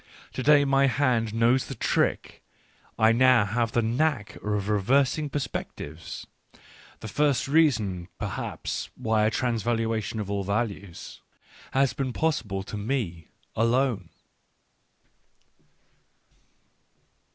To day my hand knows the trick, I now have the knack of reversing perspectives: the first reason perhaps why a Trans Digitized by Google 12 ECCE HOMO valuation of all Values has been possible to me alone.